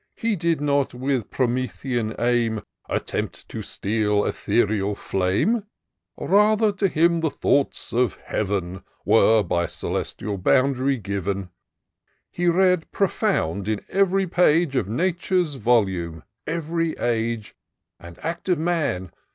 He did not, with Promethean aim. Attempt to steal ethereal flame ; Rather to him the thoughts of Heaven Were, by celestial bounty, given : IN SEARCH OF THE PICTURESQUE. 301 He read profound, in ev'ry page Of Nature's volume, ev'ry age And act of man!